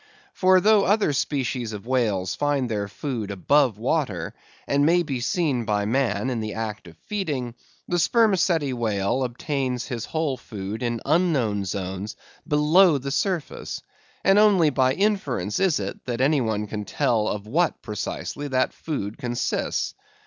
For though other species of whales find their food above water, and may be seen by man in the act of feeding, the spermaceti whale obtains his whole food in unknown zones below the surface; and only by inference is it that any one can tell of what, precisely, that food consists.